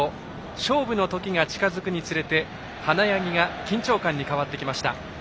勝負の時が近づくにつれ華やぎが緊張感に変わってきました。